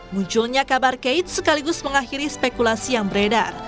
munculnya kabar kait sekaligus mengakhiri spekulasi yang beredar